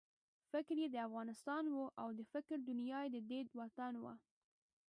فکر یې د افغانستان وو او د فکر دنیا یې ددې وطن وه.